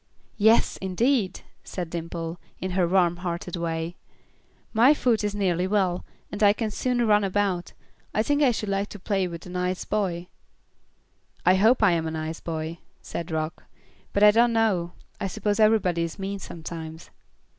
"Yes, indeed," said Dimple, in her warm hearted way. "My foot is nearly well, and I can soon run about. I think I should like to play with a nice boy." "I hope I'm a nice boy," said Rock, "but I don't know. I suppose everybody is mean sometimes."